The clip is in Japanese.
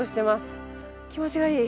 気持ちがいい。